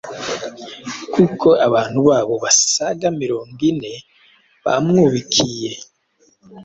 kuko abantu babo basaga mirongo ine bamwubikiye,